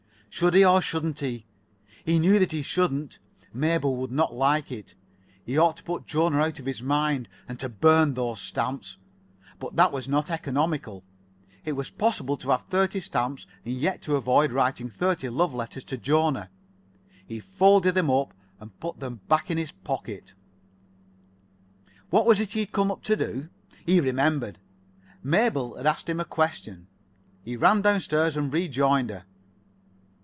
Should he, or shouldn't he? He knew that he shouldn't. Mabel would not like it. He ought to put Jona out of his mind, and to burn those stamps. But that was not economical. It was possible to have thirty stamps, and yet to avoid writing thirty love letters to Jona. He folded them up and put them back in his pocket. What was it he had come up to do? He remembered. Mabel had asked him a question. He ran downstairs and rejoined her.